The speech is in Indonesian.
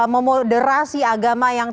memoderasi agama yang